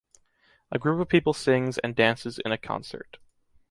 A group of people sings and dances in a concert.